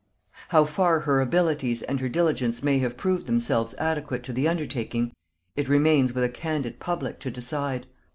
How far her abilities and her diligence may have proved themselves adequate to the undertaking, it remains with a candid public to decide.